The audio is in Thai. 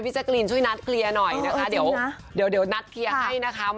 มันจะเดี๋ยวนัดเกลียร์ให้นะคะมันจะเดี๋ยวนัดเกลียร์ให้นะคะ